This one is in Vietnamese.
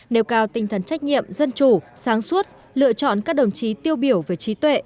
nêu cao tinh thần trách nhiệm dân chủ sáng suốt lựa chọn các đồng chí tiêu biểu về trí tuệ